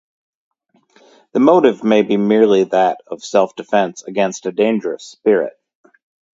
The motive may be merely that of self-defense against a dangerous spirit.